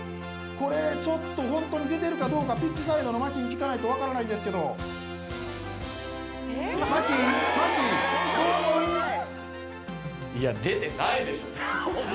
これちょっとホントに出てるかどうかピッチサイドのマキに聞かないと分からないんですけどマキマキどう思う？